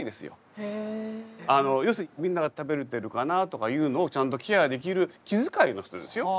要するにみんなが食べれてるかなとかいうのをちゃんとケアできる気遣いの人ですよ。